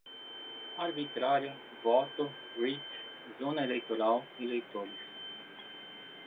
arbitrária, voto, writ, zona eleitoral, eleitores